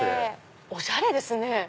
おしゃれですね！